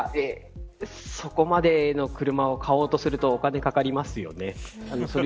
そこまでの車を買おうとするとお金がかかりますよね。